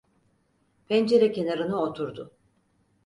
Pencere kenarına oturdu.